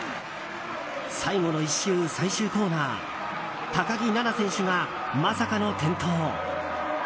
最後の１周、最終コーナー高木菜那選手が、まさかの転倒。